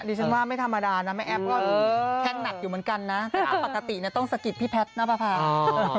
โดยเป็นความปกติต้องสกิดพี่แพทน้าพาฟา